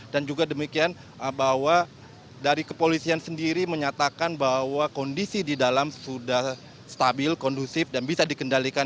dan juga demikian bahwa dari kepolisian sendiri menyatakan bahwa kondisi di dalam sudah stabil kondusif dan bisa dikendalikan